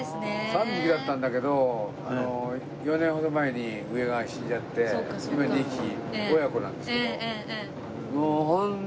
３匹だったんだけど４年ほど前に上が死んじゃって今２匹親子なんですけど。